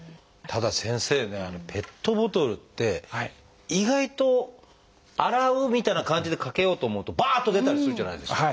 ただ先生ねペットボトルって意外と洗うみたいな感じでかけようと思うとばっと出たりするじゃないですか。